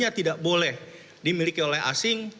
dari dpr tidak boleh dimiliki oleh asing